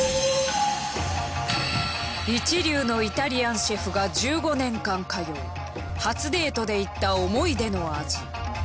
一流のイタリアンシェフが１５年間通う初デートで行った思い出の味。